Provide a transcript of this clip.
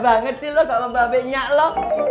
beda banget sih lu sama mbak benya lu